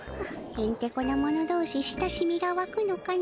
へんてこな者どうし親しみがわくのかの。